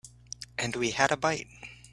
And we had a bite.